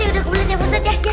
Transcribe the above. ya udah kebelet ya pak ustaz ya